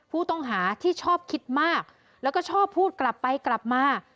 ผู้ต้องหาที่ชอบคิดมากแล้วก็ชอบพูดกลับไปกลับมา